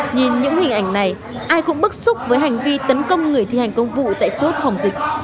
nhìn những hình ảnh này ai cũng bức xúc với hành vi tấn công người thi hành công vụ tại chốt phòng dịch